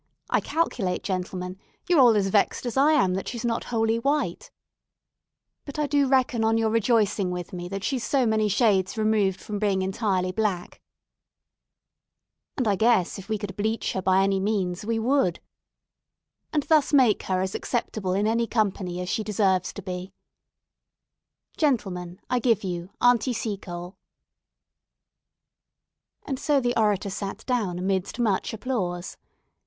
I calculate, gentlemen, you're all as vexed as I am that she's not wholly white , but I du reckon on your rejoicing with me that she's so many shades removed from being entirely black ; and I guess, if we could bleach her by any means we would , and thus make her as acceptable in any company as she deserves to be . Gentlemen, I give you Aunty Seacole!" And so the orator sat down amidst much applause.